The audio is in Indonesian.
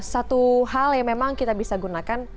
satu hal yang memang kita bisa gunakan